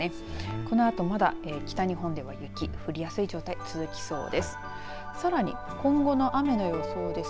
このあとまだ北日本では雪降りやすい状態続きそうです。